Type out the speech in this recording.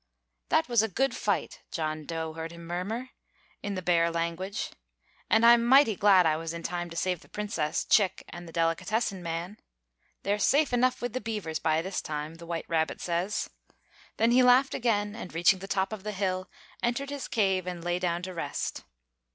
"That was a good fight," John Dough heard him murmur, in the bear language; "and I'm mighty glad I was in time to save the Princess, Chick, and the delicatessen man. They're safe enough with the beavers by this time, the white rabbit says!" Then he laughed again; and, reaching the top of the hill, entered his cave and lay down to rest.